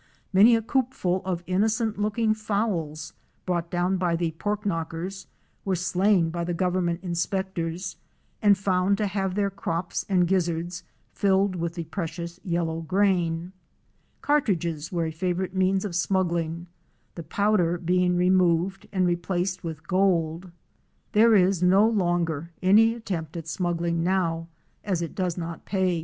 Many a coopful of innocent looking fowls, brought down by the " pork knockers,"' were slain by the government inspectors and found to have their crops and gizzards filled with the precious yellow grain. Cartridges were a favorite means of smuggling, the powder being removed and replaced with gold. There is no longer any attempt at smuggling now as it does not pay. WATER TRAIL FROM GEORGETOWN TO AREMU.